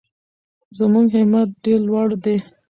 زموږ همت ډېر لوړ دی.